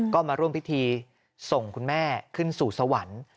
ก็มาร่วมพิธีส่งคุณแม่ขึ้นสู่สวรรค์